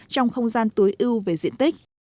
trong không gian tối ưu về diện tích